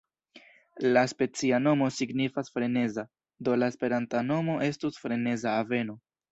La specia nomo signifas freneza, do la esperanta nomo estus freneza aveno.